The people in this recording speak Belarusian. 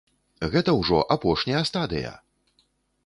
Гэта ўжо апошняя стадыя!